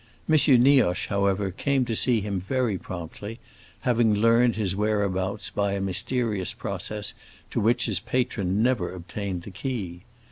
M. Nioche, however, came to see him very promptly, having learned his whereabouts by a mysterious process to which his patron never obtained the key.